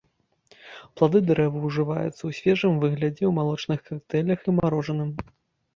Плады дрэва ўжываюцца ў свежым выглядзе, у малочных кактэйлях і марожаным.